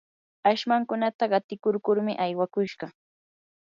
ashmankunata qatikurkurmi aywakushqa.